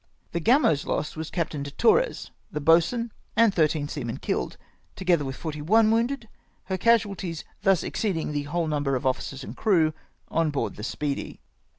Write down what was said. The Gamd's loss was Captain de Torres — the boat swain — and thirteen seamen killed, together with fort}" one wounded ; her casualties thus exceeding the whole number of officers and crew on board the Speedy.